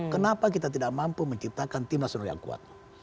kenapa kita tidak mampu menciptakan tim nasional yang kuat